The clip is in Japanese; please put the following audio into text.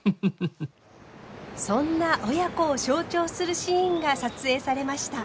そんな親子を象徴するシーンが撮影されました。